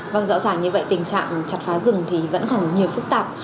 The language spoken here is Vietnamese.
vâng rõ ràng như vậy tình trạng chặt phá rừng thì vẫn còn nhiều phức tạp